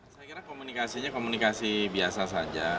saya kira komunikasinya komunikasi biasa saja